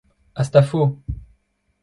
Hastafo !